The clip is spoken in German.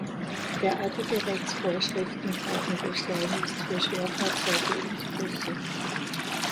Derartige Rechtsvorschriften brauchen wir schleunigst für Schwerfahrzeuge und Busse.